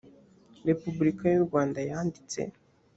repubulika y u rwanda yanditse